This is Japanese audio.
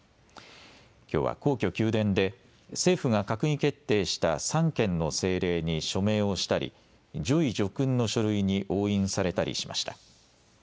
きょうは皇居・宮殿で政府が閣議決定した３件の政令に署名をしたり叙位叙勲の書類に押印されたりしました。